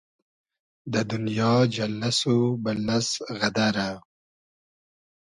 دۂ دونیا جئللئس و بئللئس غئدئرۂ